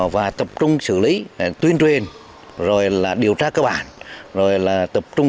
và tập trung xử lý tuyên truyền rồi là điều tra cơ bản